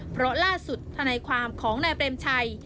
เพราะล่าสุดธนายความของนายเปรมชัย